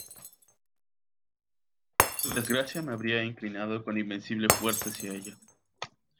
Su desgracia me habría inclinado con invencible fuerza hacia ella.